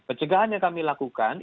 pencegahan yang kami lakukan